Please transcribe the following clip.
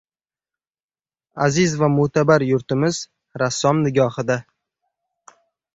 Aziz va mo‘’tabar yurtimiz rassom nigohida